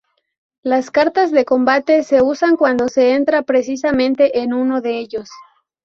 Las cartas de combate se usan cuando se entra precisamente en uno de ellos.